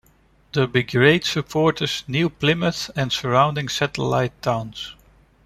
The brigade supporters New Plymouth and surrounding satellite towns.